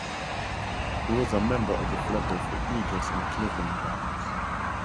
He was a member of the Philadelphia Eagles and Cleveland Browns.